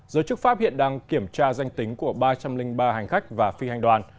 giới chức pháp hiện đang kiểm tra danh tính của ba trăm linh ba hành khách và phi hành đoàn